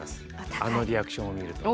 あのリアクションを見ると。